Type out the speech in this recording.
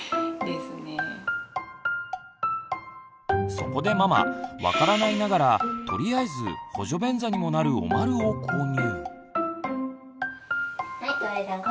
そこでママ分からないながらとりあえず補助便座にもなるおまるを購入。